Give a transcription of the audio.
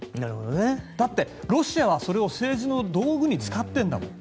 だって、ロシアはそれを政治の道具に使ってるんだもん。